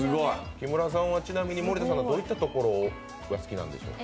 木村さんはちなみに森田さんのどういったところが好きなんでしょうか？